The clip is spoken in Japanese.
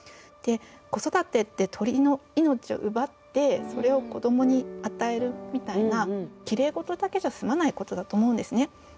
子育てって鳥の命を奪ってそれを子供に与えるみたいなきれいごとだけじゃ済まないことだと思うんですね。